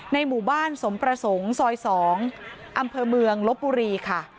หมู่บ้านสมประสงค์ซอย๒อำเภอเมืองลบบุรีค่ะ